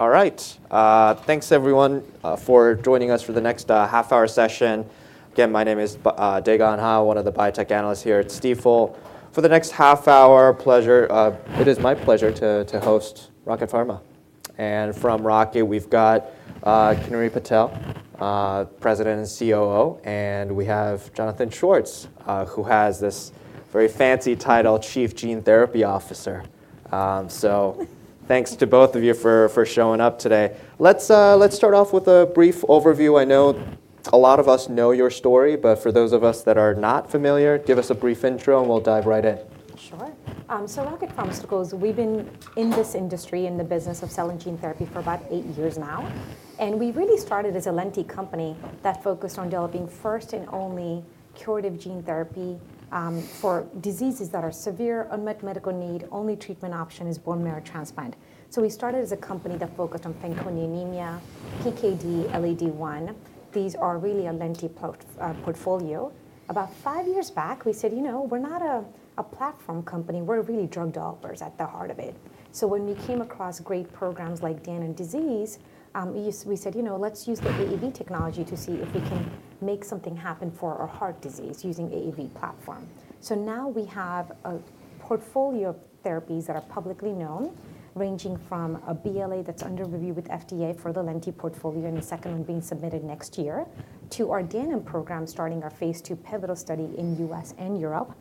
All right, thanks everyone for joining us for the next half-hour session. Again, my name is Dae Gon Ha, one of the biotech analysts here at Stifel. For the next half hour, it is my pleasure to host Rocket Pharma. And from Rocket, we've got Kinnari Patel, President and COO, and we have Jonathan Schwartz, who has this very fancy title, Chief Gene Therapy Officer. So thanks to both of you for showing up today. Let's start off with a brief overview. I know a lot of us know your story, but for those of us that are not familiar, give us a brief intro, and we'll dive right in. Sure. So Rocket Pharmaceuticals, we've been in this industry, in the business of selling gene therapy for about eight years now, and we really started as a lentiviral company that focused on developing first and only curative gene therapy for diseases that are severe, unmet medical need, only treatment option is bone marrow transplant. So we started as a company that focused on Fanconi anemia, PKD, LAD-I. These are really a lentiviral portfolio. About five years back, we said, "You know, we're not a platform company. We're really drug developers at the heart of it." So when we came across great programs like Danon disease, we said, "You know, let's use the AAV technology to see if we can make something happen for our heart disease using AAV platform." So now we have a portfolio of therapies that are publicly known, ranging from a BLA that's under review with FDA for the lentiviral portfolio, and the second one being submitted next year, to our Danon program, starting our phase II pivotal study in U.S. and Europe.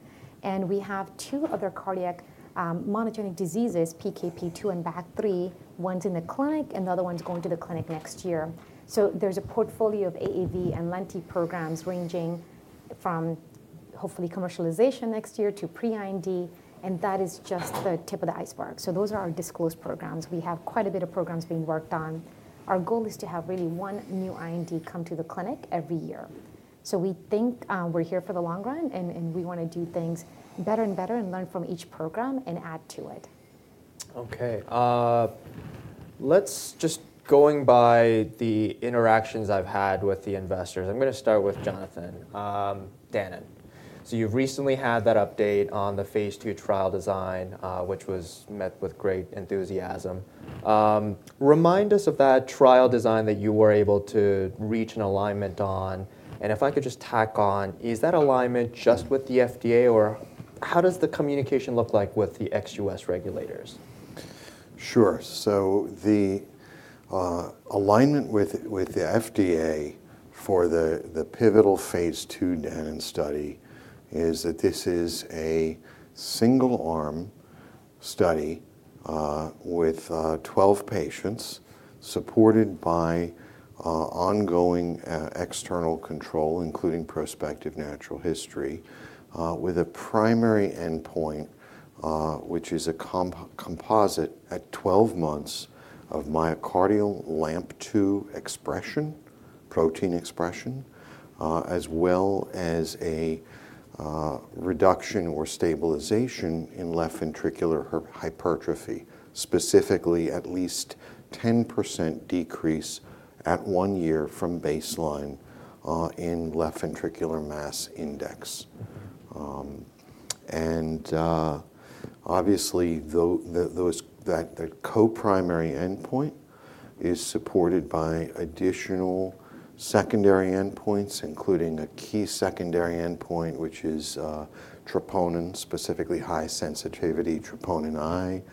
And we have two other cardiac, monogenic diseases, PKP2 and BAG3. One's in the clinic, and the other one's going to the clinic next year. So there's a portfolio of AAV and lentiviral programs ranging from hopefully commercialization next year to pre-IND, and that is just the tip of the iceberg. So those are our disclosed programs. We have quite a bit of programs being worked on. Our goal is to have really one new IND come to the clinic every year. So we think, we're here for the long run, and, and we wanna do things better and better and learn from each program and add to it. Okay, let's just going by the interactions I've had with the investors. I'm gonna start with Jonathan. Danon. So you've recently had that update on the phase II trial design, which was met with great enthusiasm. Remind us of that trial design that you were able to reach an alignment on, and if I could just tack on, is that alignment just with the FDA, or how does the communication look like with the ex-U.S. regulators? Sure. So the alignment with the FDA for the pivotal phase II Danon study is that this is a single-arm study with 12 patients, supported by ongoing external control, including prospective natural history, with a primary endpoint which is a composite at 12 months of myocardial LAMP2 expression, protein expression, as well as a reduction or stabilization in left ventricular hypertrophy, specifically at least 10% decrease at one year from baseline in left ventricular mass index. And obviously, though the co-primary endpoint is supported by additional secondary endpoints, including a key secondary endpoint which is troponin, specifically high-sensitivity Troponin I.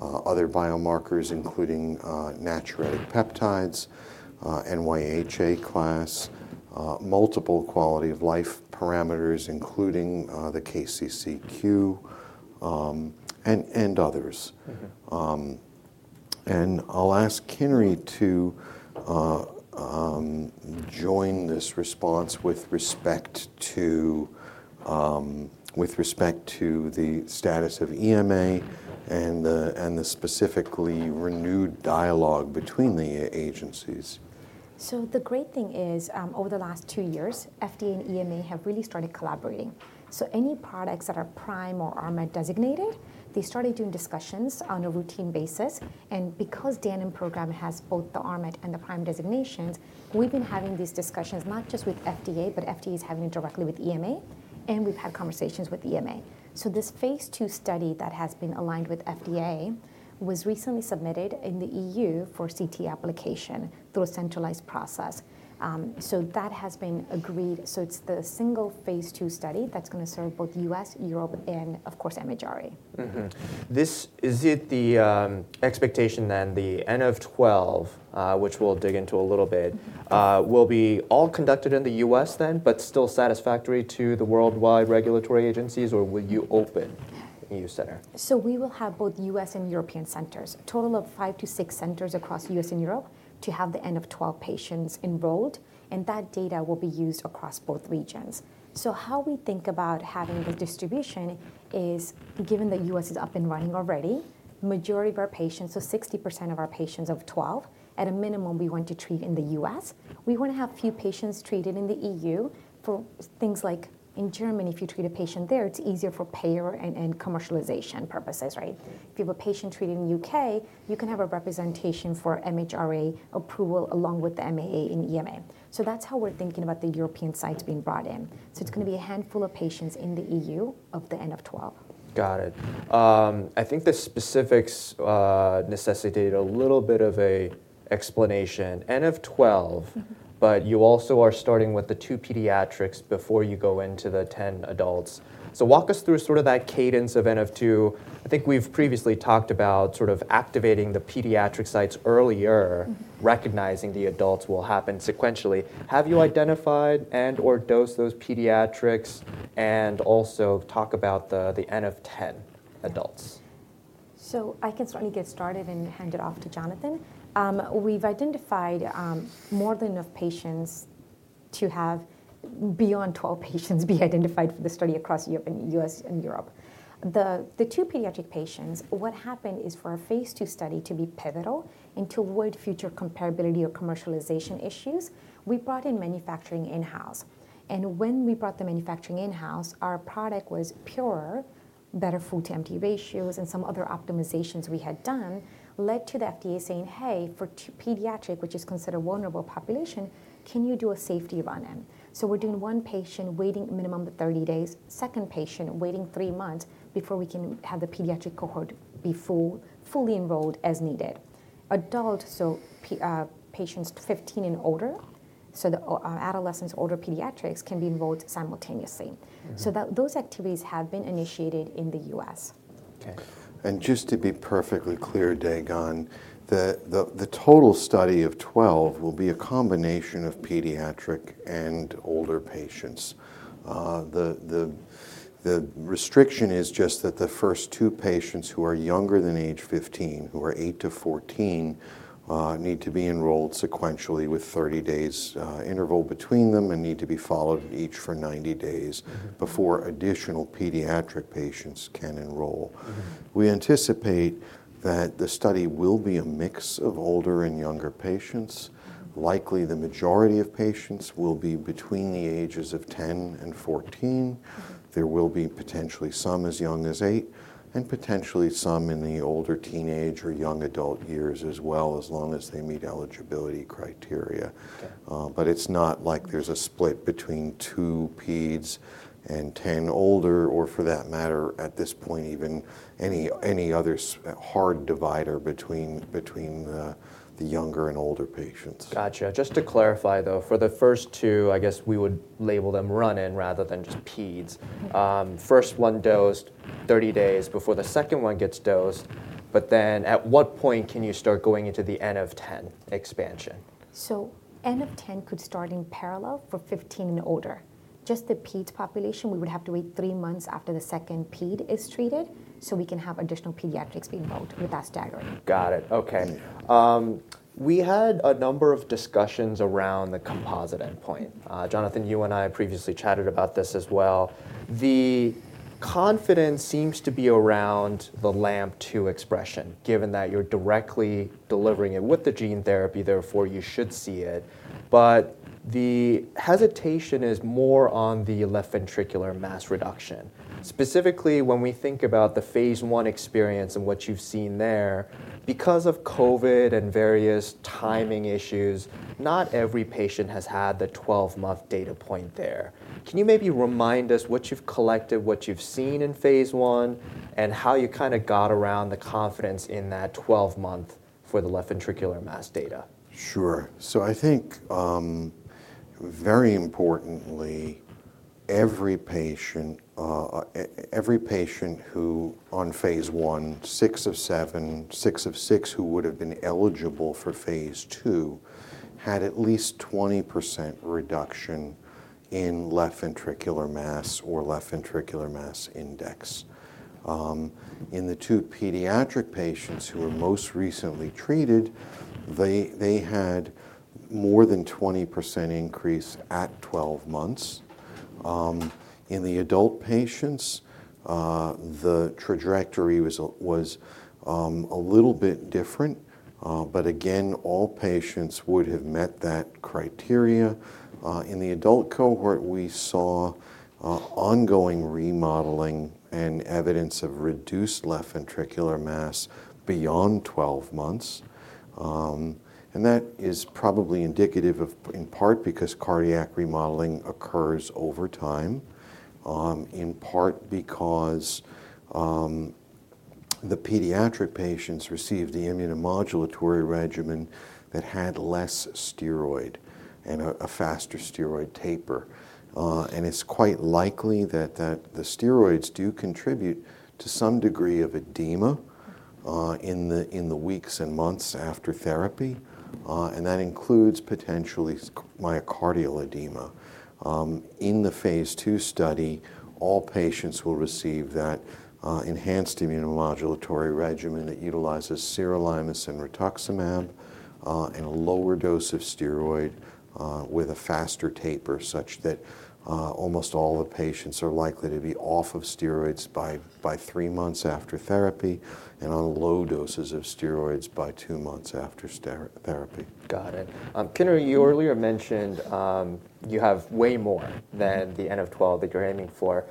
Other biomarkers including natriuretic peptides, NYHA class, multiple quality of life parameters, including the KCCQ, and others. Mm-hmm. And I'll ask Kinnari to join this response with respect to, with respect to the status of EMA and the, and the specifically renewed dialogue between the agencies. So the great thing is, over the last two years, FDA and EMA have really started collaborating. So any products that are PRIME or RMAT designated, they started doing discussions on a routine basis, and because Danon program has both the RMAT and the PRIME designations, we've been having these discussions not just with FDA, but FDA is having it directly with EMA, and we've had conversations with EMA. So this phase II study that has been aligned with FDA was recently submitted in the EU for CT application through a centralized process. So that has been agreed, so it's the single phase II study that's gonna serve both U.S., Europe, and of course, MHRA. Mm-hmm. Is it the expectation then, the N=12, which we'll dig into a little bit, will be all conducted in the U.S. then, but still satisfactory to the worldwide regulatory agencies, or will you open a new center? So we will have both U.S. and European centers, a total of five to six centers across the U.S. and Europe, to have the N=12 patients enrolled, and that data will be used across both regions. So how we think about having the distribution is, given the U.S. is up and running already, majority of our patients, so 60% of our patients of 12, at a minimum, we want to treat in the U.S. We wanna have a few patients treated in the EU for things like... In Germany, if you treat a patient there, it's easier for payer and, and commercialization purposes, right? Mm-hmm. If you have a patient treated in the U.K., you can have a representation for MHRA approval along with the MAA and EMA. So that's how we're thinking about the European sites being brought in. So it's gonna be a handful of patients in the EU of the N=12. Got it. I think the specifics necessitate a little bit of an explanation. N=12- Mm-hmm. But you also are starting with the two pediatrics before you go into the 10 adults. So walk us through sort of that cadence of N=2. I think we've previously talked about sort of activating the pediatric sites earlier. Mm-hmm. Recognizing the adults will happen sequentially. Have you identified and/or dosed those pediatrics? And also talk about the N=10 adults. So I can certainly get started and hand it off to Jonathan. We've identified more than enough patients to have beyond 12 patients be identified for the study across Europe and the U.S. and Europe. The two pediatric patients, what happened is for our phase II study to be pivotal and to avoid future comparability or commercialization issues, we brought in manufacturing in-house. And when we brought the manufacturing in-house, our product was purer, better full to empty ratios, and some other optimizations we had done led to the FDA saying: "Hey, for the pediatric, which is considered vulnerable population, can you do a safety run-in?" So we're doing one patient, waiting a minimum of 30 days, second patient, waiting three months before we can have the pediatric cohort be full, fully enrolled as needed. Adult, so patients 15 and older, so the adolescents, older pediatrics can be enrolled simultaneously. Mm-hmm. So those activities have been initiated in the U.S. Okay. And just to be perfectly clear, Dae Gon, the total study of 12 will be a combination of pediatric and older patients. The restriction is just that the first two patients who are younger than age 15, who are eight to 14, need to be enrolled sequentially with 30 days interval between them and need to be followed each for 90 days- Mm-hmm... before additional pediatric patients can enroll. Mm-hmm. We anticipate that the study will be a mix of older and younger patients. Mm-hmm. Likely, the majority of patients will be between the ages of 10 and 14. Mm-hmm. There will be potentially some as young as eight, and potentially some in the older teenage or young adult years as well, as long as they meet eligibility criteria. Okay. But it's not like there's a split between two peds and 10 older, or for that matter, at this point, even any other hard divider between the younger and older patients. Gotcha. Just to clarify, though, for the first two, I guess we would label them run-in rather than just phases. Mm-hmm. First one dosed 30 days before the second one gets dosed, but then at what point can you start going into the N=10 expansion? N=10 could start in parallel for 15 and older. Just the peds population, we would have to wait three months after the second ped is treated, so we can have additional pediatrics be involved with that staggering. Got it. Okay. Yes. We had a number of discussions around the composite endpoint. Jonathan, you and I previously chatted about this as well. The confidence seems to be around the LAMP2 expression, given that you're directly delivering it with the gene therapy, therefore, you should see it. But the hesitation is more on the left ventricular mass reduction. Mm-hmm. Specifically, when we think about the phase I experience and what you've seen there, because of COVID and various timing issues, not every patient has had the 12-month data point there. Can you maybe remind us what you've collected, what you've seen in phase I, and how you kinda got around the confidence in that 12-month for the left ventricular mass data? Sure. So I think, very importantly, every patient, every patient who on phase I, six of seven- six of six, who would have been eligible for phase II, had at least 20% reduction in left ventricular mass or left ventricular mass index. In the two pediatric patients who were most recently treated, they had more than 20% increase at 12 months. In the adult patients, the trajectory was a little bit different, but again, all patients would have met that criteria. In the adult cohort, we saw ongoing remodeling and evidence of reduced left ventricular mass beyond 12 months. And that is probably indicative of, in part, because cardiac remodeling occurs over time, in part because the pediatric patients received the immunomodulatory regimen that had less steroid and a faster steroid taper. And it's quite likely that the steroids do contribute to some degree of edema in the weeks and months after therapy, and that includes potentially myocardial edema. In the phase II study, all patients will receive that enhanced immunomodulatory regimen. It utilizes sirolimus and rituximab, and a lower dose of steroid with a faster taper, such that almost all the patients are likely to be off of steroids by three months after therapy, and on low doses of steroids by two months after steroid therapy. Got it. Kinnari, you earlier mentioned, you have way more than the N=12 that you're aiming for.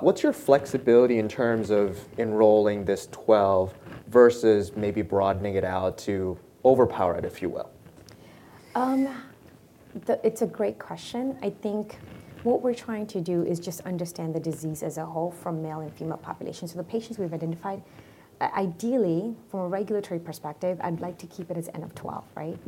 What's your flexibility in terms of enrolling this 12 versus maybe broadening it out to overpower it, if you will? It's a great question. I think what we're trying to do is just understand the disease as a whole from male and female population. So the patients we've identified, ideally, from a regulatory perspective, I'd like to keep it as N=12, right?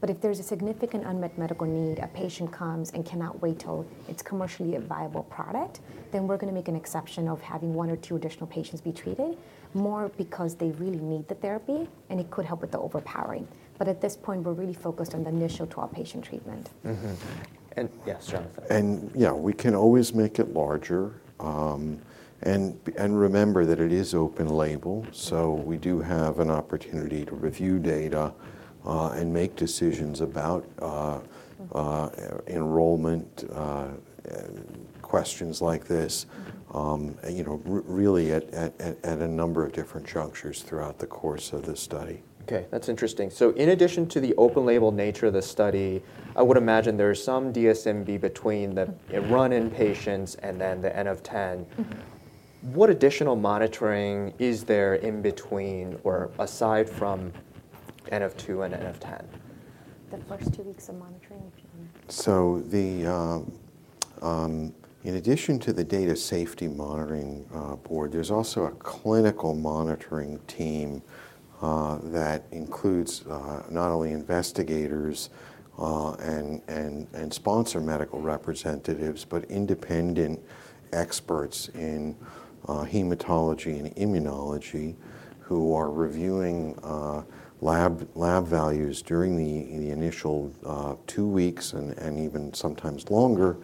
But if there's a significant unmet medical need, a patient comes and cannot wait till it's commercially a viable product, then we're gonna make an exception of having one or two additional patients be treated, more because they really need the therapy, and it could help with the overpowering. But at this point, we're really focused on the initial 12-patient treatment. Mm-hmm. And yes, Jonathan. Yeah, we can always make it larger. And remember that it is open label, so we do have an opportunity to review data, and make decisions about enrollment, and questions like this, you know, really at a number of different junctures throughout the course of this study. Okay, that's interesting. So in addition to the open label nature of the study, I would imagine there is some DSMB between the run-in patients and then the N=10. Mm-hmm. What additional monitoring is there in between or aside from N =2 and N=10? The first two weeks of monitoring, if you mean? So, in addition to the Data Safety Monitoring Board, there's also a clinical monitoring team that includes not only investigators and sponsor medical representatives, but independent experts in hematology and immunology, who are reviewing lab values during the initial two weeks and even sometimes longer,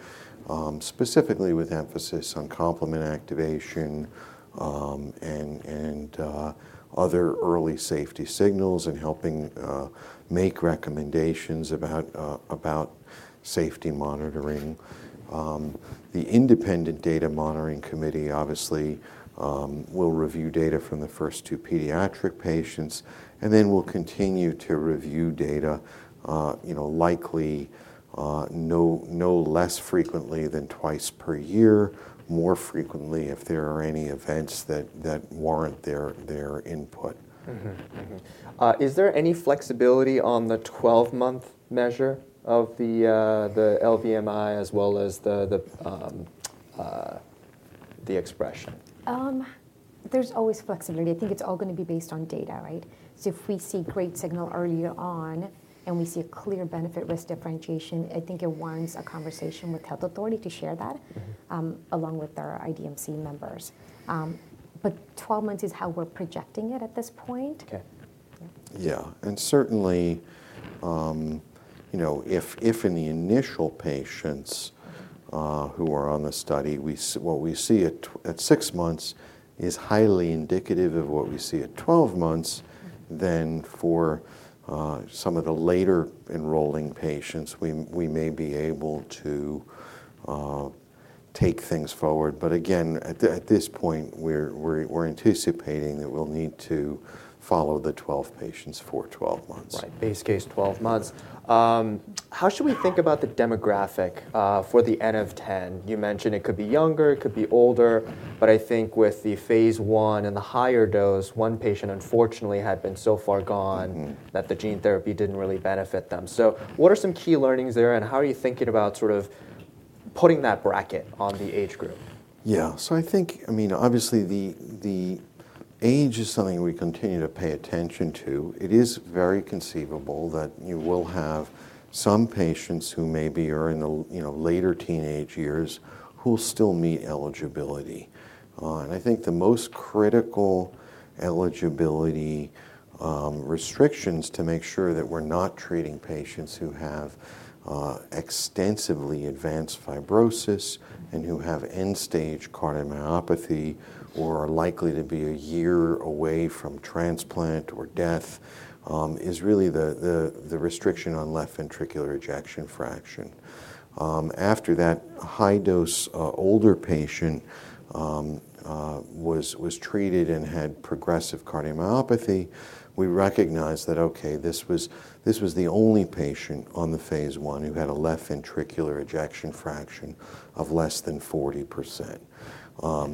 specifically with emphasis on complement activation and other early safety signals, and helping make recommendations about safety monitoring. The independent data monitoring committee obviously will review data from the first two pediatric patients, and then we'll continue to review data, you know, likely no less frequently than twice per year, more frequently if there are any events that warrant their input. Mm-hmm. Mm-hmm. Is there any flexibility on the 12-month measure of the LVMI as well as the expression? There's always flexibility. I think it's all gonna be based on data, right? So if we see great signal earlier on, and we see a clear benefit-risk differentiation, I think it warrants a conversation with health authority to share that- Mm-hmm... along with our IDMC members. But 12 months is how we're projecting it at this point. Okay. Yeah. Yeah. And certainly, you know, if in the initial patients who are on the study, we see what we see at 6 months is highly indicative of what we see at 12 months, then for some of the later enrolling patients, we may be able to take things forward. But again, at this point, we're anticipating that we'll need to follow the 12 patients for 12 months. Right. Base case, 12 months. How should we think about the demographic for the N=10? You mentioned it could be younger, it could be older, but I think with the phase I and the higher dose, one patient unfortunately had been so far gone- Mm-hmm... that the gene therapy didn't really benefit them. So what are some key learnings there, and how are you thinking about sort of putting that bracket on the age group? Yeah. So I think, I mean, obviously, the age is something we continue to pay attention to. It is very conceivable that you will have some patients who maybe are in the, you know, later teenage years, who still meet eligibility. And I think the most critical eligibility restrictions to make sure that we're not treating patients who have, extensively advanced fibrosis- Mm-hmm... and who have end-stage cardiomyopathy, or are likely to be a year away from transplant or death, is really the restriction on left ventricular ejection fraction. After that high dose, older patient was treated and had progressive cardiomyopathy, we recognized that, okay, this was the only patient on the phase I who had a left ventricular ejection fraction of less than 40%.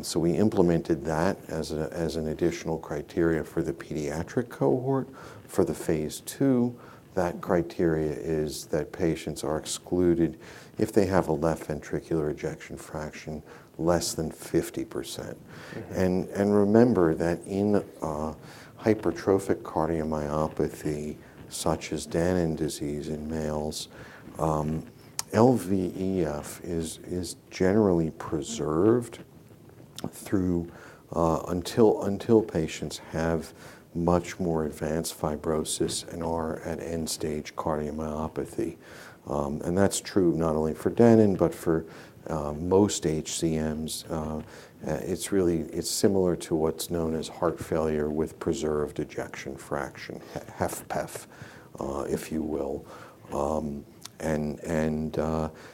So we implemented that as an additional criteria for the pediatric cohort. For the phase II, that criteria is that patients are excluded if they have a left ventricular ejection fraction less than 50%. Mm-hmm. And remember that in hypertrophic cardiomyopathy, such as Danon disease in males, LVEF is generally preserved through until patients have much more advanced fibrosis and are at end-stage cardiomyopathy. And that's true not only for Danon, but for most HCMs. It's really. It's similar to what's known as heart failure with preserved ejection fraction, HFpEF, if you will. And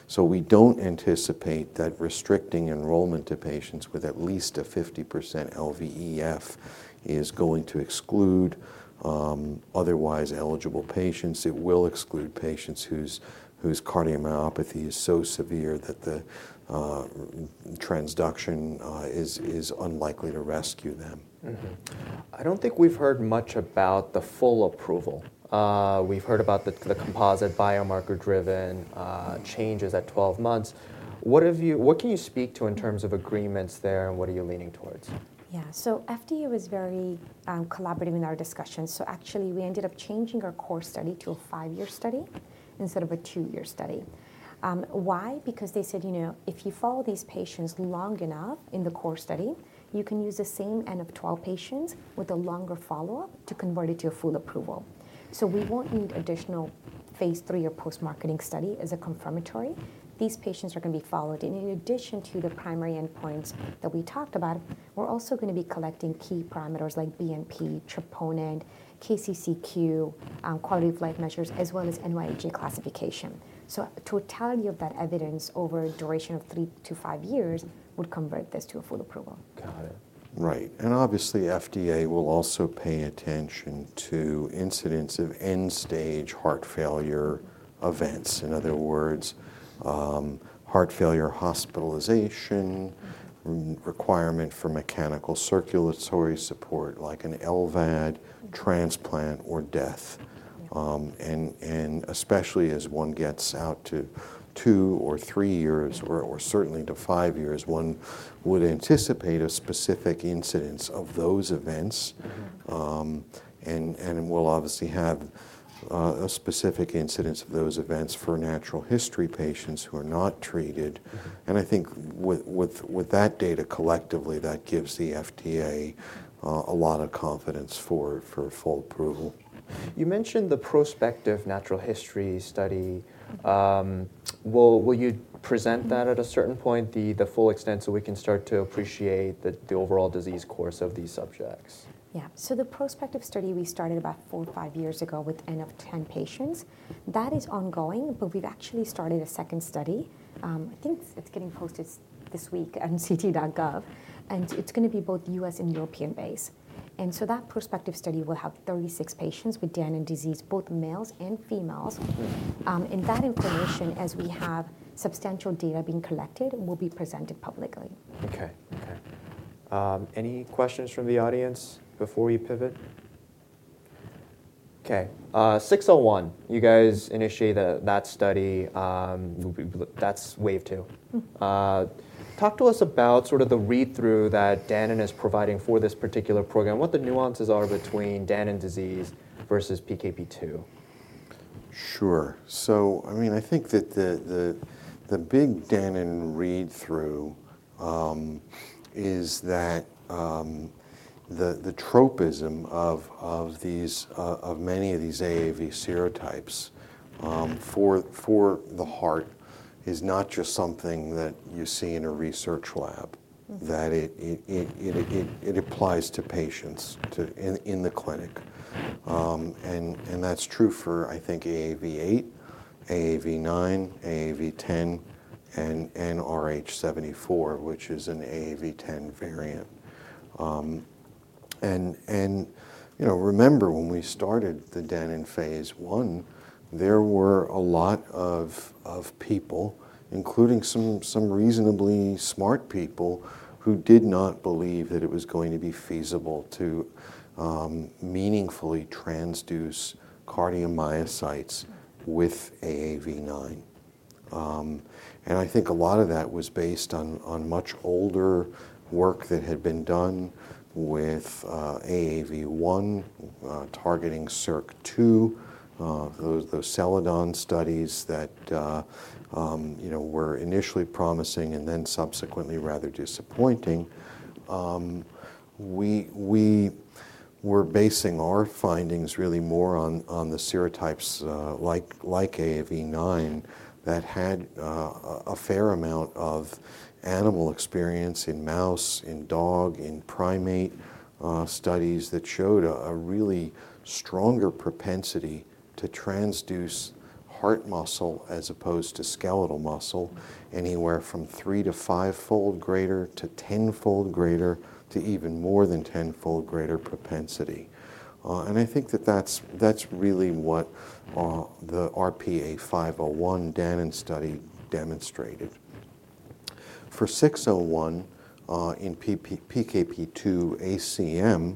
so we don't anticipate that restricting enrollment to patients with at least a 50% LVEF is going to exclude otherwise eligible patients. It will exclude patients whose cardiomyopathy is so severe that the transduction is unlikely to rescue them. Mm-hmm. I don't think we've heard much about the full approval. We've heard about the composite biomarker-driven changes at 12 months. What can you speak to in terms of agreements there, and what are you leaning towards? Yeah. So FDA was very collaborative in our discussions, so actually, we ended up changing our core study to a five-year study instead of a two-year study. Why? Because they said, you know, if you follow these patients long enough in the core study, you can use the same N=12 patients with a longer follow-up to convert it to a full approval. So we won't need additional phase III or post-marketing study as a confirmatory. These patients are going to be followed, and in addition to the primary endpoints that we talked about, we're also going to be collecting key parameters like BNP, troponin, KCCQ, quality of life measures, as well as NYHA classification. So totality of that evidence over a duration of three to five years would convert this to a full approval. Got it. Right. And obviously, FDA will also pay attention to incidents of end-stage heart failure events. In other words, heart failure hospitalization- Mm-hmm. requirement for mechanical circulatory support, like an LVAD, transplant, or death. Yeah. And especially as one gets out to two or three years- Mm-hmm. or, certainly to five years, one would anticipate a specific incidence of those events. Mm-hmm. And we'll obviously have a specific incidence of those events for natural history patients who are not treated. Mm-hmm. And I think with that data collectively, that gives the FDA. Mm-hmm. a lot of confidence for, for full approval. You mentioned the prospective natural history study. Mm-hmm. Will you present that at a certain point, the full extent, so we can start to appreciate the overall disease course of these subjects? Yeah. So the prospective study, we started about four to five years ago with N=10 patients. That is ongoing, but we've actually started a second study. I think it's getting posted this week on ct.gov, and it's going to be both U.S. and European-based. And so that prospective study will have 36 patients with Danon disease, both males and females. Mm-hmm. That information, as we have substantial data being collected, will be presented publicly. Okay. Okay. Any questions from the audience before we pivot? Okay, 601, you guys initiate that, that study. That's wave two. Mm-hmm. Talk to us about sort of the read-through that Danon is providing for this particular program, what the nuances are between Danon disease versus PKP2. Sure. So, I mean, I think that the big Danon read-through is that the tropism of many of these AAV serotypes for the heart is not just something that you see in a research lab- Mm-hmm. that it applies to patients, to... In the clinic. And that's true for, I think, AAV8, AAV9, AAV10, and rh74, which is an AAV10 variant. And you know, remember, when we started the Danon phase I, there were a lot of people, including some reasonably smart people, who did not believe that it was going to be feasible to meaningfully transduce cardiomyocytes with AAV9. And I think a lot of that was based on much older work that had been done with AAV1 targeting SERCA2a, those Celladon studies that you know, were initially promising and then subsequently rather disappointing. We were basing our findings really more on the serotypes, like AAV9, that had a fair amount of animal experience in mouse, in dog, in primate studies that showed a really stronger propensity to transduce heart muscle as opposed to skeletal muscle- Mm-hmm. anywhere from three to five-fold greater, to 10-fold greater, to even more than 10-fold greater propensity. And I think that that's really what the RP-A501 Danon study demonstrated. For RP-A601 in PKP2-ACM,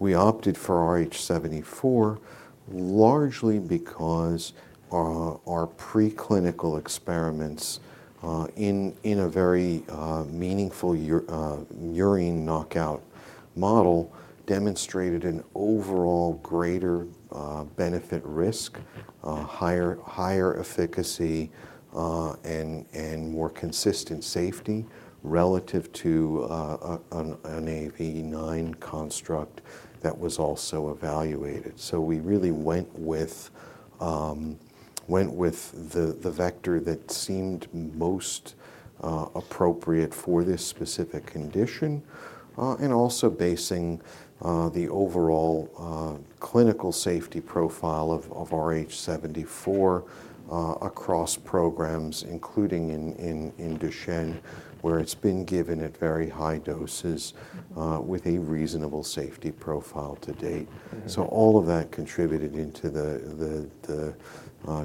we opted for rh74, largely because our preclinical experiments in a very meaningful murine knockout model demonstrated an overall greater benefit risk, higher efficacy, and more consistent safety relative to an AAV9 construct that was also evaluated. So we really went with the vector that seemed most appropriate for this specific condition, and also basing the overall clinical safety profile of rh74 across programs, including in Duchenne, where it's been given at very high doses, with a reasonable safety profile to date. Mm-hmm. So all of that contributed into the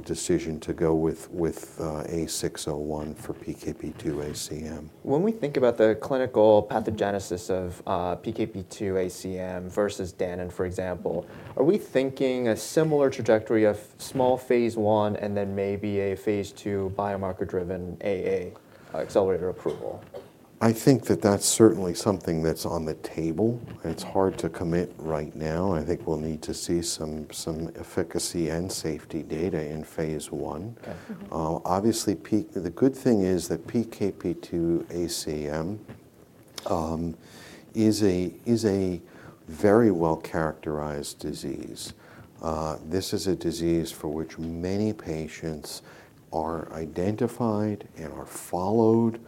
decision to go with A601 for PKP2-ACM. When we think about the clinical pathogenesis of PKP2-ACM versus Danon, for example, are we thinking a similar trajectory of small phase I and then maybe a phase II biomarker-driven AA accelerated approval? I think that that's certainly something that's on the table. Mm-hmm. It's hard to commit right now. I think we'll need to see some efficacy and safety data in phase I. Okay. Mm-hmm. Obviously, the good thing is that PKP2-ACM is a very well-characterized disease. This is a disease for which many patients are identified and are followed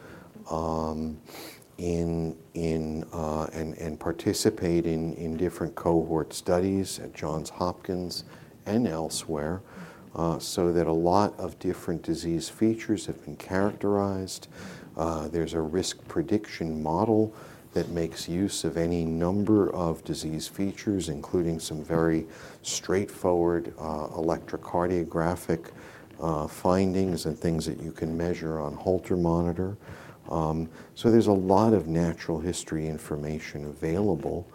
in and participating in different cohort studies at Johns Hopkins and elsewhere, so that a lot of different disease features have been characterized. There's a risk prediction model that makes use of any number of disease features, including some very straightforward electrocardiographic findings and things that you can measure on Holter monitor. So there's a lot of natural history information available.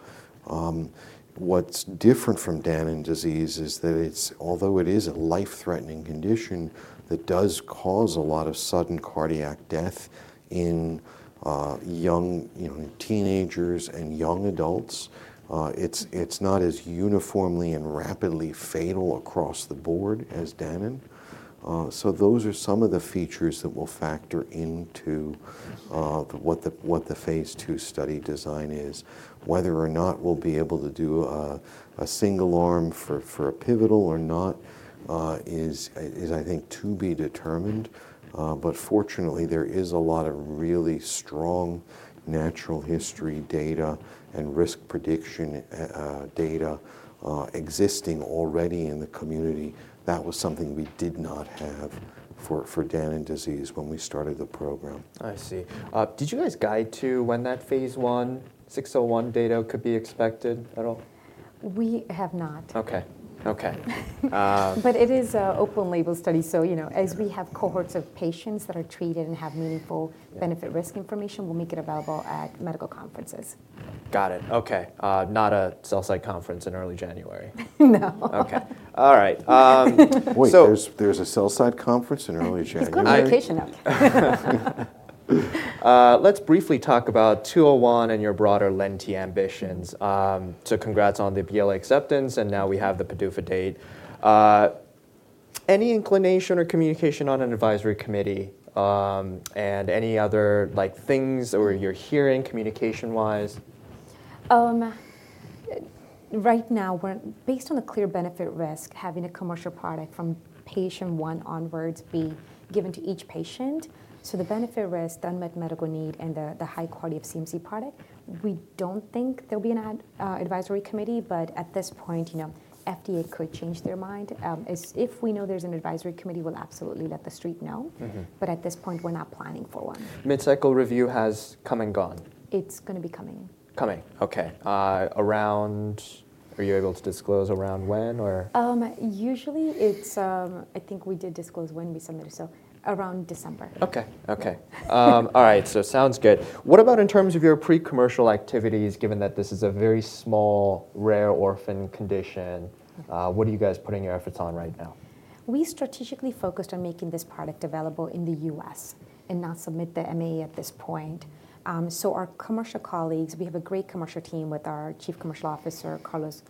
What's different from Danon disease is that it's, although it is a life-threatening condition that does cause a lot of sudden cardiac death in young, you know, teenagers and young adults, it's not as uniformly and rapidly fatal across the board as Danon. So those are some of the features that will factor into what the phase II study design is. Whether or not we'll be able to do a single arm for a pivotal or not is, I think, to be determined. But fortunately, there is a lot of really strong natural history data and risk prediction data existing already in the community. That was something we did not have for Danon disease when we started the program. I see. Did you guys guide to when that phase I, 601 data could be expected at all? We have not. Okay. Okay. But it is an open-label study, so, you know. Yeah... as we have cohorts of patients that are treated and have meaningful- Yeah... benefit risk information, we'll make it available at medical conferences. Got it. Okay. Not a sell-side conference in early January? No. Okay. All right, Wait, there's a sell-side conference in early January? It's a good location out there. Let's briefly talk about 201 and your broader lenti ambitions. So congrats on the BLA acceptance, and now we have the PDUFA date. Any inclination or communication on an advisory committee, and any other, like, things or you're hearing communication-wise? Right now, we're based on a clear benefit risk, having a commercial product from patient one onwards be given to each patient. So the benefit risk, unmet medical need, and the high quality of CMC product, we don't think there'll be an advisory committee, but at this point, you know, FDA could change their mind. If we know there's an advisory committee, we'll absolutely let the street know. Mm-hmm. But at this point, we're not planning for one. Mid-cycle review has come and gone. It's gonna be coming. Coming. Okay. Around... Are you able to disclose around when or- Usually, it's. I think we did disclose when we submitted, so around December. Okay. Okay. All right, so sounds good. What about in terms of your pre-commercial activities, given that this is a very small, rare orphan condition, what are you guys putting your efforts on right now? We strategically focused on making this product available in the U.S. and not submit the MA at this point. So our commercial colleagues, we have a great commercial team with our Chief Commercial Officer, Carlos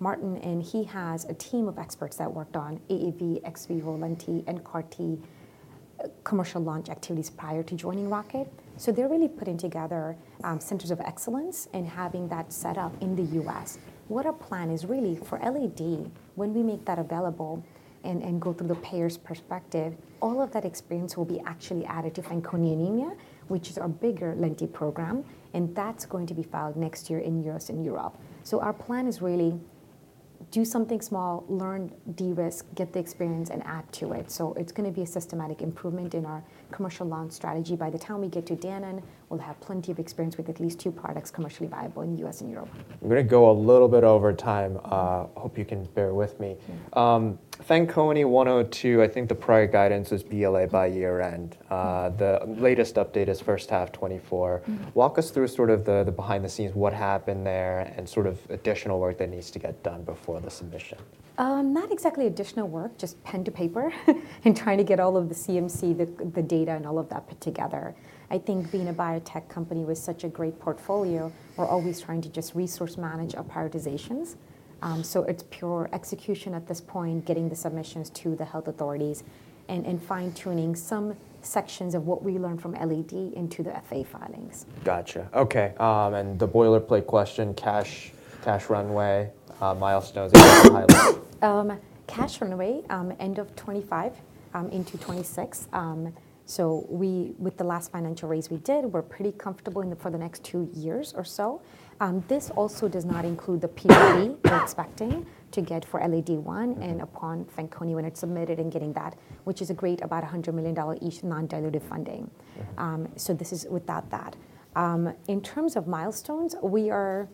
Martin, and he has a team of experts that worked on AAV, ex vivo lenti, and CAR T commercial launch activities prior to joining Rocket. So they're really putting together centers of excellence and having that set up in the U.S. What our plan is really for LAD, when we make that available and go through the payer's perspective, all of that experience will be actually added to Fanconi anemia, which is our bigger lenti program, and that's going to be filed next year in U.S. and Europe. So our plan is really do something small, learn, de-risk, get the experience, and add to it. It's gonna be a systematic improvement in our commercial launch strategy. By the time we get to Danon, we'll have plenty of experience with at least two products commercially viable in the U.S. and Europe. I'm gonna go a little bit over time. Hope you can bear with me. Fanconi 102, I think the prior guidance is BLA by year-end. The latest update is first half 2024. Mm-hmm. Walk us through sort of the, the behind the scenes, what happened there, and sort of additional work that needs to get done before the submission. Not exactly additional work, just pen to paper, and trying to get all of the CMC, the data, and all of that put together. I think being a biotech company with such a great portfolio, we're always trying to just resource manage our prioritizations. So it's pure execution at this point, getting the submissions to the health authorities and fine-tuning some sections of what we learned from LAD into the FA filings. Gotcha. Okay, and the boilerplate question, cash, cash runway, milestones. Cash runway end of 2025 into 2026. So, with the last financial raise we did, we're pretty comfortable for the next 2 years or so. This also does not include the PRV we're expecting to get for LAD-I. Mm-hmm... and upon Fanconi when it's submitted and getting that, which is great, about a $100 million each non-dilutive funding. Yeah. So this is without that. In terms of milestones, we are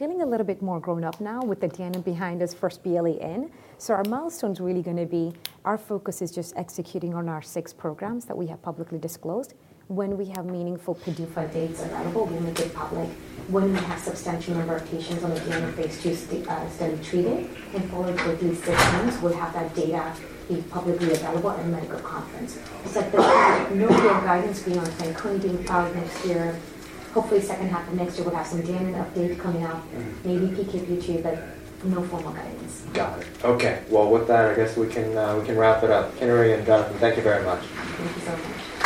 feeling a little bit more grown up now with the Danon behind us first BLA in. So our milestones really gonna be, our focus is just executing on our six programs that we have publicly disclosed. When we have meaningful PDUFA dates available, we will make it public. When we have substantial number of patients on the end of phase II study treated, and all of these systems, we'll have that data be publicly available in medical conference. It's like the no real guidance beyond Fanconi being filed next year. Hopefully, second half of next year, we'll have some Danon update coming out. Mm-hmm. Maybe PK, PD, but no formal guidance. Got it. Okay, well, with that, I guess we can we can wrap it up. Kinnari and Jonathan, thank you very much. Thank you so much.